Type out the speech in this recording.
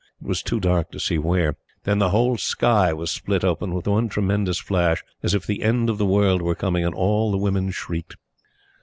It was too dark to see where. Then the whole sky was split open with one tremendous flash, as if the end of the world were coming, and all the women shrieked.